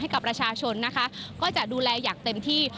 ให้กับรัชชนก็จะดูแลอยากเต็มที่